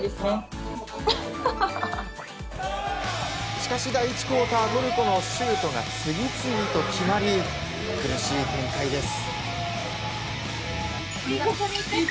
しかし第１クオータートルコのシュートが次々と決まり苦しい展開です。